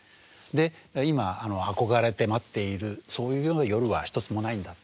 で今憧れて待っているそういうような夜は一つもないんだ。